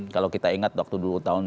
kalau kita ingat waktu dulu tahun